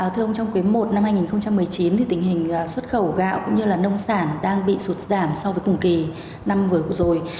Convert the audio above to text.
thưa ông trong quý i năm hai nghìn một mươi chín tình hình xuất khẩu gạo cũng như là nông sản đang bị sụt giảm so với cùng kỳ năm vừa rồi